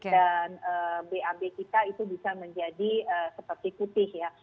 dan bab kita itu bisa menjadi seperti putih ya